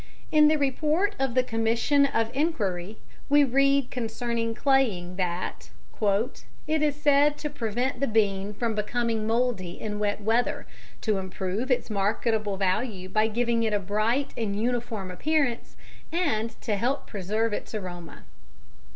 In the report of the Commission of Enquiry (Trinidad, 1915) we read concerning claying that "It is said to prevent the bean from becoming mouldy in wet weather, to improve its marketable value by giving it a bright and uniform appearance, and to help to preserve its aroma."